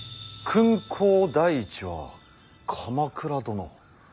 勲功第一は鎌倉殿。